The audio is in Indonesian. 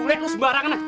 udah udah lu sembarangan